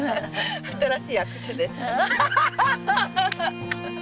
新しい握手ですね。